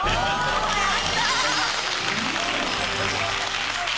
やった！